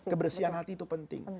kebersihan hati itu penting